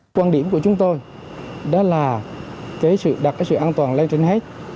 quan điểm của chúng tôi đó là đặt sự an toàn lên trên hết